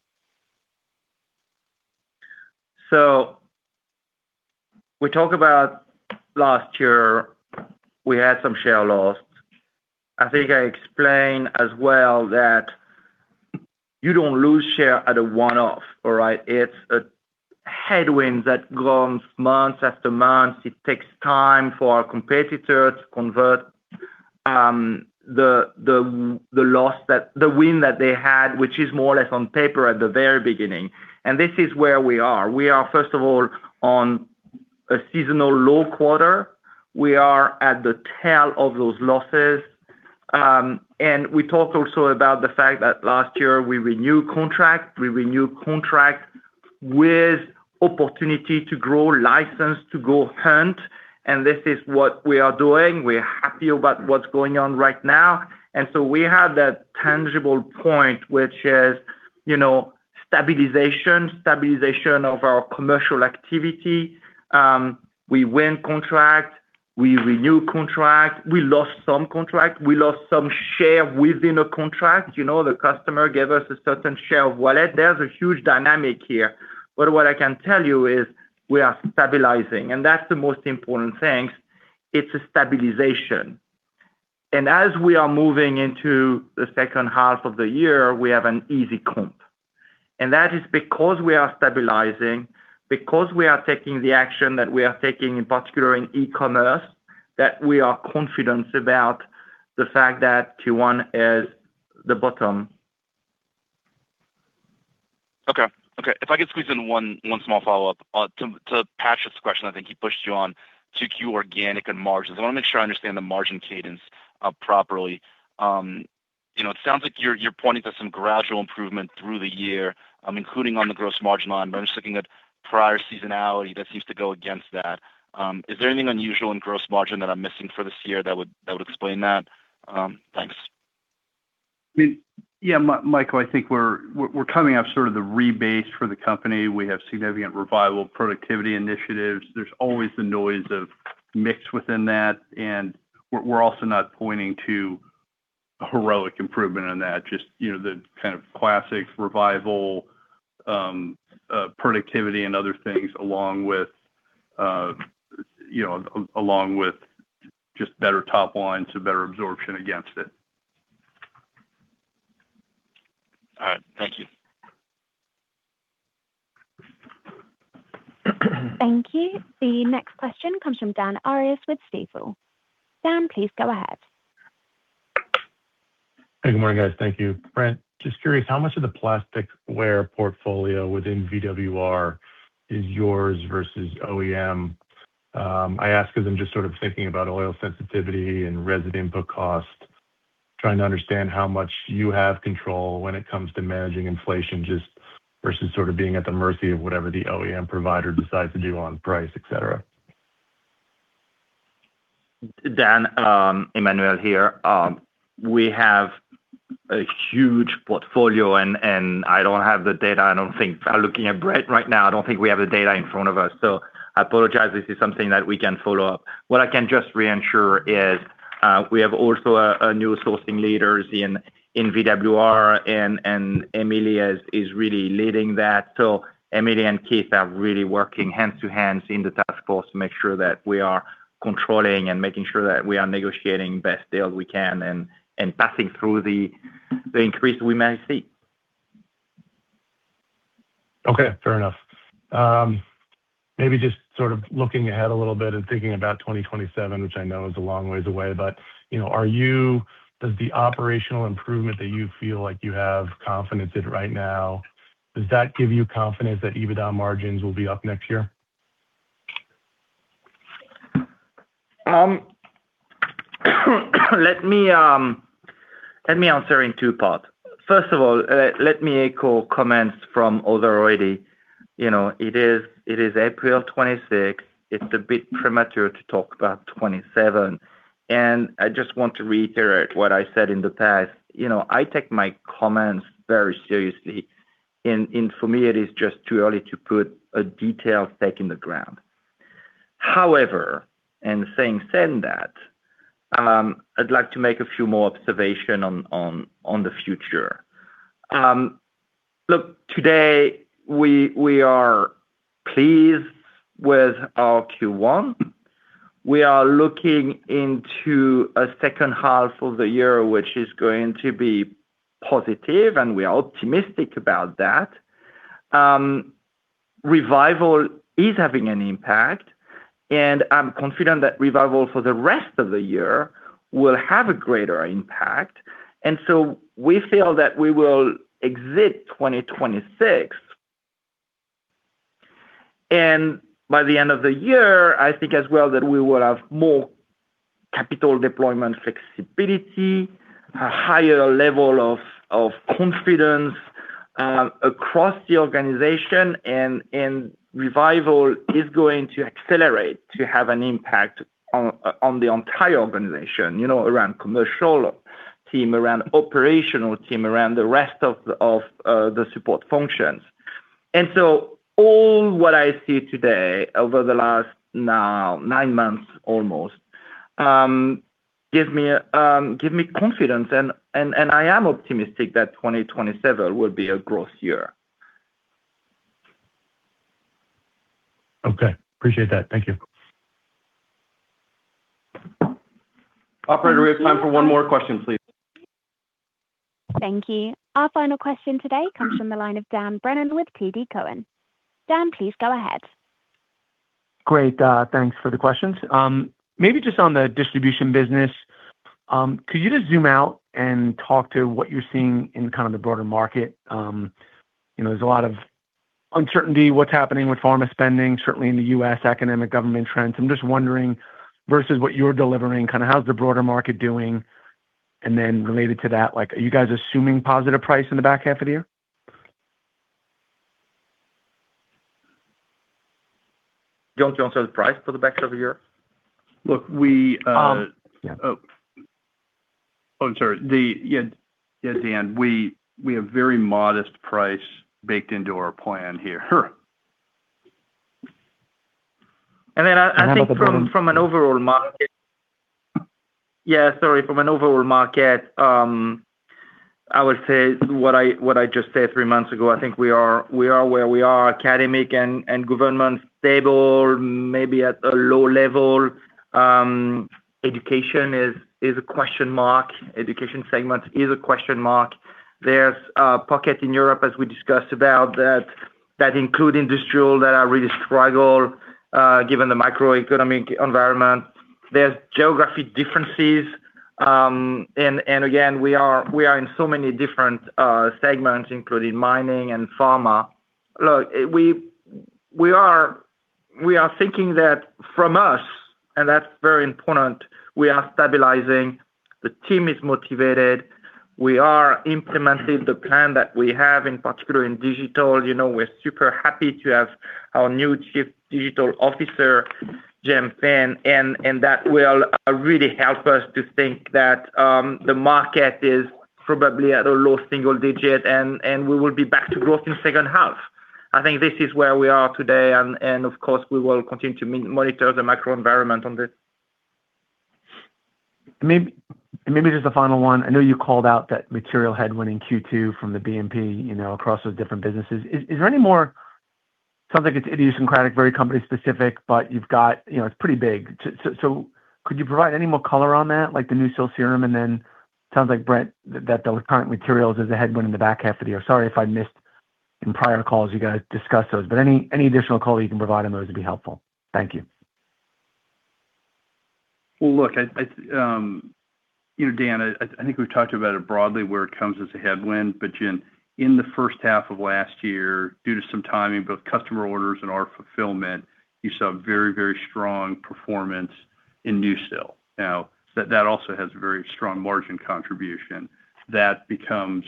We talked about last year, we had some share loss. I think I explained as well that you don't lose share at a one-off. All right? It's a headwind that goes months after months. It takes time for our competitor to convert the win that they had, which is more or less on paper at the very beginning. This is where we are. We are, first of all, on a seasonal low quarter. We are at the tail of those losses. We talked also about the fact that last year we renew contract. We renew contract with opportunity to grow license, to go hunt, this is what we are doing. We're happy about what's going on right now. We have that tangible point which is, you know, stabilization of our commercial activity. We win contract, we renew contract, we lost some contract. We lost some share within a contract. You know, the customer gave us a certain share of wallet. There's a huge dynamic here. What I can tell you is we are stabilizing, and that's the most important thing. It's a stabilization. As we are moving into the second half of the year, we have an easy comp. That is because we are stabilizing, because we are taking the action that we are taking, in particular in e-commerce, that we are confident about the fact that Q1 is the bottom. Okay. Okay. If I could squeeze in one small follow-up to Patrick's question. I think he pushed you on 2Q organic and margins. I wanna make sure I understand the margin cadence properly. You know, it sounds like you're pointing to some gradual improvement through the year, including on the gross margin line. I'm just looking at prior seasonality that seems to go against that. Is there anything unusual in gross margin that I'm missing for this year that would explain that? Thanks. I mean, yeah, Michael, I think we're coming off sort of the rebase for the company. We have significant Revival productivity initiatives. There's always the noise of mix within that. We're also not pointing to a heroic improvement on that. Just, you know, the kind of classic Revival productivity and other things along with, you know, along with just better top line to better absorption against it. All right. Thank you. Thank you. The next question comes from Dan Arias with Stifel. Dan, please go ahead. Hey, good morning, guys. Thank you. Brent, just curious, how much of the plasticware portfolio within VWR is yours versus OEM? I ask 'cause I'm just sort of thinking about oil sensitivity and resin input cost, trying to understand how much you have control when it comes to managing inflation just versus sort of being at the mercy of whatever the OEM provider decides to do on price, etc. Dan, Emmanuel here. We have a huge portfolio, and I don't have the data. I'm looking at Brent right now. I don't think we have the data in front of us, so I apologize. This is something that we can follow up. What I can just reassure is, we have also a new sourcing leaders in VWR, and Emily is really leading that. Emily and Keith are really working hand to hand in the task force to make sure that we are controlling and making sure that we are negotiating best deal we can and passing through the increase we may see. Okay, fair enough. Maybe just sort of looking ahead a little bit and thinking about 2027, which I know is a long ways away, you know, Does the operational improvement that you feel like you have confidence in right now, does that give you confidence that EBITDA margins will be up next year? Let me, let me answer in two part. First of all, let me echo comments from other already. You know, it is April 26th. It's a bit premature to talk about 2027. I just want to reiterate what I said in the past. You know, I take my comments very seriously and for me, it is just too early to put a detailed stake in the ground. However, saying that, I'd like to make a few more observation on the future. Look, today we are pleased with our Q1. We are looking into a second half of the year, which is going to be positive, and we are optimistic about that. Revival is having an impact, and I'm confident that Revival for the rest of the year will have a greater impact. We feel that we will exit 2026. By the end of the year, I think as well that we will have more capital deployment flexibility, a higher level of confidence across the organization and Revival is going to accelerate to have an impact on the entire organization, you know, around commercial team, around operational team, around the rest of the support functions. All what I see today over the last now nine months almost, give me confidence and I am optimistic that 2027 will be a growth year. Okay. Appreciate that. Thank you. Operator, we have time for one more question, please. Thank you. Our final question today comes from the line of Dan Brennan with TD Cowen. Dan, please go ahead. Great. Thanks for the questions. Maybe just on the distribution business, could you just zoom out and talk to what you're seeing in kind of the broader market? You know, there's a lot of uncertainty what's happening with pharma spending, certainly in the U.S. academic government trends. I'm just wondering, versus what you're delivering, kinda how's the broader market doing? Related to that, like, are you guys assuming positive price in the back half of the year? Don't say the price for the back half of the year. Look, we, Yeah. oh, I'm sorry. The, yeah, Dan, we have very modest price baked into our plan here. I think from- And then on the bottom- Yeah, sorry, from an overall market, I would say what I just said three months ago. I think we are where we are. Academic and government stable, maybe at a low level. Education is a question mark. Education segment is a question mark. There's a pocket in Europe as we discussed about that include industrial that are really struggle given the macroeconomic environment. There's geographic differences. Again, we are in so many different segments, including mining and pharma. Look, we are thinking that from us, and that's very important, we are stabilizing. The team is motivated. We are implementing the plan that we have, in particular in digital. You know, we're super happy to have our new Chief Digital Officer, James Finn, and that will really help us to think that the market is probably at a low single digit and we will be back to growth in second half. I think this is where we are today and of course, we will continue to monitor the macro environment on this. Maybe just a final one. I know you called out that material headwind in Q2 from the BMP, you know, across those different businesses. Is there any more? Sounds like it's idiosyncratic, very company specific, but you've got, you know, it's pretty big. Could you provide any more color on that, like the NuSil, Serum? Sounds like Brent, that the current materials is a headwind in the back half of the year. Sorry if I missed in prior calls you guys discussed those, but any additional color you can provide on those would be helpful. Thank you. Well, look, I, you know, Dan, I think we've talked about it broadly where it comes as a headwind, but in the first half of last year, due to some timing, both customer orders and our fulfillment, you saw very, very strong performance in NuSil. That also has very strong margin contribution. That becomes,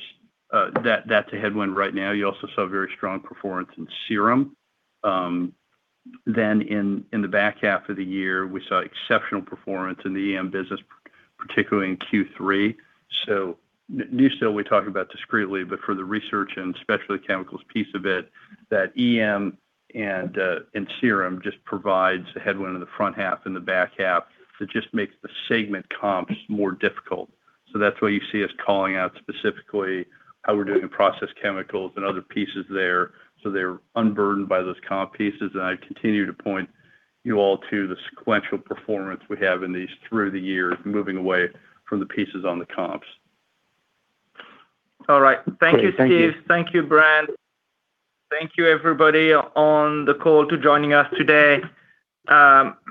that's a headwind right now. You also saw very strong performance in serum. In the back half of the year, we saw exceptional performance in the EM business, particularly in Q3. NuSil we talked about discreetly, but for the research and specialty chemicals piece of it, that EM and serum just provides a headwind in the front half and the back half that just makes the segment comps more difficult. That's why you see us calling out specifically how we're doing in process chemicals and other pieces there, so they're unburdened by those comp pieces. I continue to point you all to the sequential performance we have in these through the years, moving away from the pieces on the comps. All right. Great. Thank you. Thank you, Steve. Thank you, Brent. Thank you everybody on the call to joining us today.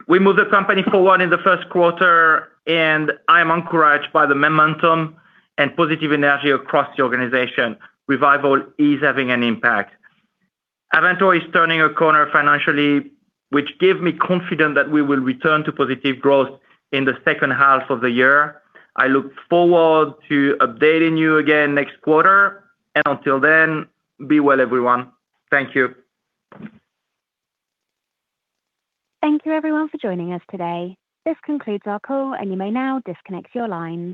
We moved the company forward in the first quarter, and I'm encouraged by the momentum and positive energy across the organization. Revival is having an impact. Avantor is turning a corner financially, which give me confident that we will return to positive growth in the second half of the year. I look forward to updating you again next quarter, and until then, be well, everyone. Thank you. Thank you everyone for joining us today. This concludes our call, and you may now disconnect your lines.